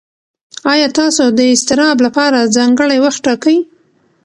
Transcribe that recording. ایا تاسو د اضطراب لپاره ځانګړی وخت ټاکئ؟